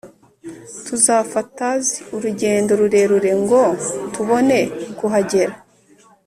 tuzafatz urugendo rurerure ngo tubone kuhagera